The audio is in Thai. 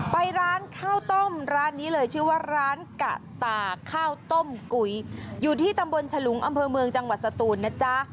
ไปร้านข้าวต้มร้านนี้เลยชื่อว่าร้านกะตาข้าวต้มกุยอยู่ที่ตำบลฉลุงอำเภอเมืองจังหวัดสตูนนะจ๊ะ